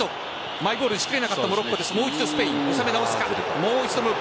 マイボールにしきれなかったモロッコです。